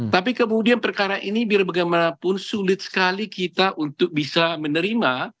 tapi kemudian perkara ini biar bagaimanapun sulit sekali kita untuk bisa menerima